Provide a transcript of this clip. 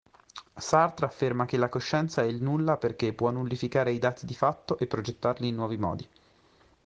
Sartre afferma che "la coscienza è il nulla" perché può nullificare i dati di fatto e progettarli in nuovi modi.